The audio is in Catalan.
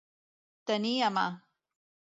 Tenir a mà.